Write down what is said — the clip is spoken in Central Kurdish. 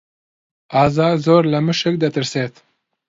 ئازاد زۆر لە مشک دەترسێت.